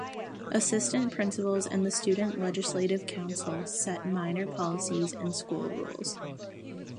Assistant principals and the Student Legislative Council set minor policies and school rules.